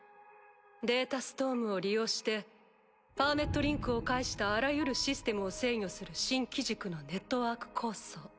データストームを利用してパーメットリンクを介したあらゆるシステムを制御する新機軸のネットワーク構想。